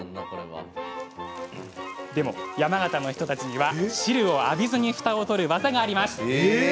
山形の人たちには汁を浴びずにふたを取る技があります。